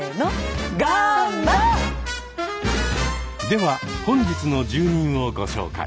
では本日の住人をご紹介。